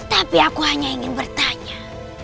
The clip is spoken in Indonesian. tapi aku hanya ingin bertanya